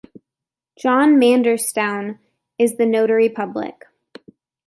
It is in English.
John Manderstoun is the notary public.